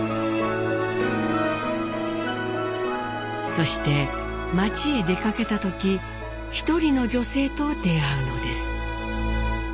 そして街へ出かけた時一人の女性と出会うのです。